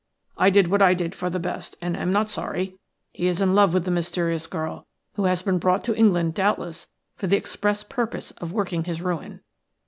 "I did what I did for the best, and am not sorry. He is in love with the mysterious girl, who has been brought to England, doubtless, for the express purpose of working his ruin.